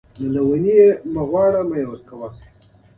د ښورې تیزاب او د ګوګړو تیزاب هم خطرناک دي.